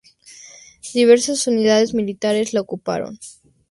Diversas unidades militares la ocuparon.